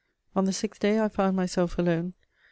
On the sixth day I found myself alone.